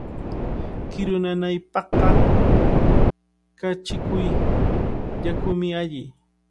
Kiru nanaypaqqa kachiyuq yakumi alli.